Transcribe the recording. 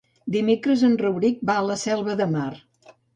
Dimecres en Rauric va a la Selva de Mar.